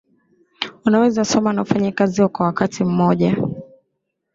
Unaweza soma na ufanye kazi kwa wakati mmoja